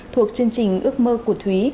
thuộc chương trình ước mơ của thúy